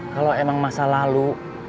kalau emang masa lalu